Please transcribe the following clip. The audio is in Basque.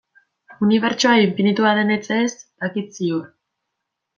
Unibertsoa infinitua denetz ez dakit ziur.